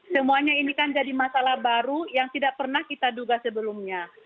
semuanya ini kan jadi masalah baru yang tidak pernah kita duga sebelumnya